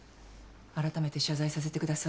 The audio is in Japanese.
改めて謝罪させてください。